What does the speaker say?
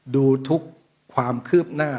ดูทุกความคืบหน้า